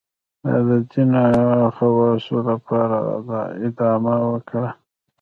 دا د ځینو خواصو لپاره ادامه وکړه.